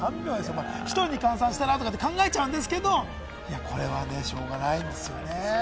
１人に換算したらとか考えちゃうんですけれども、これはしょうがないんですよね。